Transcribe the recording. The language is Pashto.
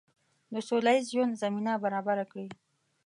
د سوله ییز ژوند زمینه برابره کړي.